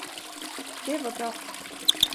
Det var bra.